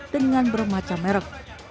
dengan bermacam merek